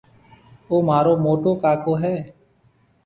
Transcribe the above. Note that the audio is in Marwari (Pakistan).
او مهارو موٽو ڪاڪو هيَ۔